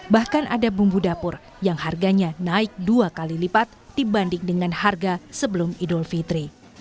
bahkan ada bumbu dapur yang harganya naik dua kali lipat dibanding dengan harga sebelum idul fitri